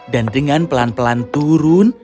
dan dengan pelan pelan turun